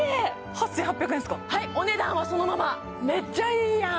８８００円ですかはいお値段はそのままめっちゃいいやん